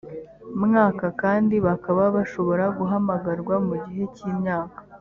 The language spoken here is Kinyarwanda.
mwaka kandi bakaba bashobora guhamagarwa mu gihe cy imyaka